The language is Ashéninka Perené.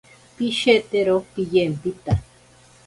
Pishetero piyempita.